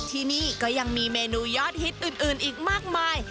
ที่นี่ก็ยังมีเมนูยอดฮิตอื่นอีกมากมาย